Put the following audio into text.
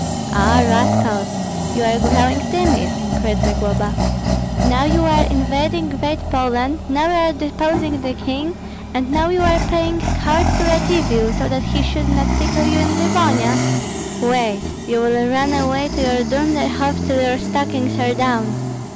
"Ah, rascals! you are growing timid," cried Zagloba. "Now you are invading Great Poland, now you are deposing the king, and now you are paying court to Radzivill, so that he should not tickle you in Livonia. Wait! you will run away to your Dunderhoff till your stockings are down.